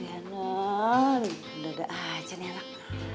adriana udah udah aja nih anak